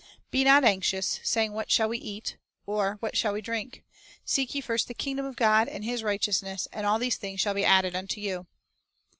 "Be not anxious, 3 saying, What shall we eat? or, What shall we drink? .. Seek ye first the kingdom of God, and His righteous ness; and all these things shall be added unto you."